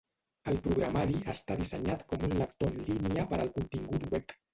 El programari està dissenyat com un lector en línia per al contingut web.